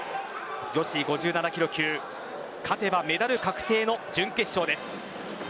女子５７ｋｇ級勝てばメダル確定の準決勝です。